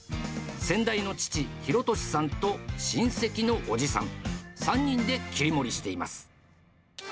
先代の父、ひろとしさんと親戚のおじさん、３人で切り盛りしています。